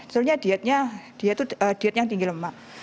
sebenarnya dietnya dia itu diet yang tinggi lemak